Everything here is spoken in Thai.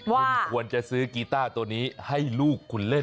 คุณควรจะซื้อกีต้าตัวนี้ให้ลูกคุณเล่น